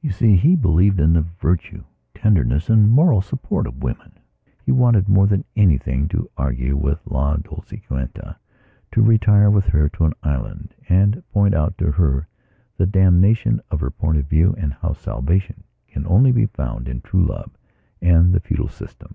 You see, he believed in the virtue, tenderness and moral support of women. He wanted more than anything to argue with La Dolciquita; to retire with her to an island and point out to her the damnation of her point of view and how salvation can only be found in true love and the feudal system.